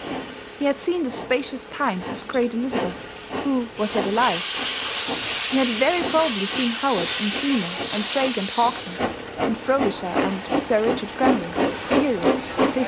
He had seen the spacious times of great Elizabeth who was yet alive; he had very probably seen Howard and Seymour and Drake and Hawkins and Frobisher and Sir Richard Grenville, the hero of 1591.